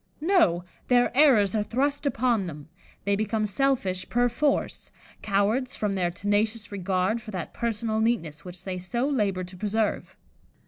No! their errors are thrust upon them; they become selfish per force, cowards from their tenacious regard for that personal neatness which they so labour to preserve.